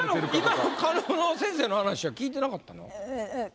今の加納の先生の話は聞いてなかったの？